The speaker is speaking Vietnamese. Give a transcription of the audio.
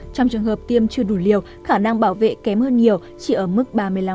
trong trường hợp tiêm chưa đủ liều khả năng bảo vệ kém hơn nhiều chỉ ở mức ba mươi năm